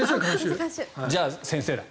じゃあ、先生だ。